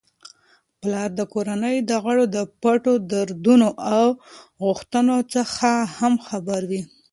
پلار د کورنی د غړو د پټو دردونو او غوښتنو څخه هم خبر وي.